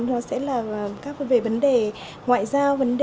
ý nghĩa thứ nhất chắc chắn là các vấn đề ngoại giao